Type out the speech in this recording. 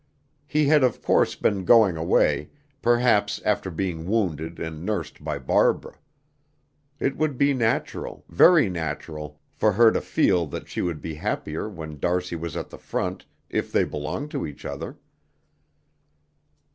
He had of course been going away, perhaps after being wounded and nursed by Barbara. It would be natural, very natural, for her to feel that she would be happier when d'Arcy was at the front, if they belonged to each other.